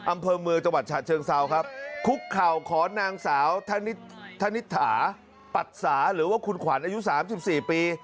อำเภอเมืองจังหวัดฉะเชิงเซาครับคุกเข่าขอนางสาวธนิษฐาปัตสาหรือว่าคุณขวัญอายุ๓๔ปี